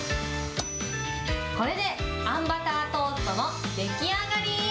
これであんバタートーストの出来上がり！